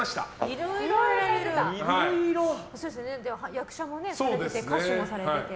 役者もやられて歌手もされてて。